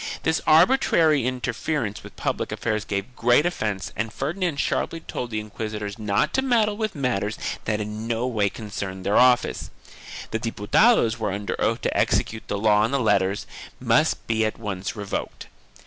This arbitrary interference with public affairs gave great offence and Ferdinand sharply told the inquisitors not to meddle with matters that in no way concerned their office; the Diputados were under oath to execute the law and the letters must be at once revoked.